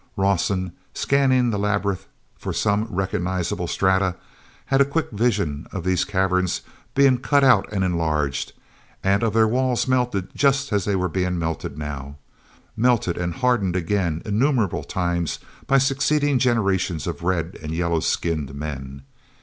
Rawson, scanning the labyrinth for some recognizable strata, had a quick vision of these caverns being cut out and enlarged, and of their walls melted just as they were being melted now—melted and hardened again innumerable times by succeeding generations of red and yellow skinned men.